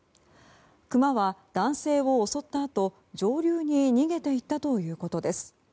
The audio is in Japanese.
クマは男性を襲ったあと、上流に逃げていったということです。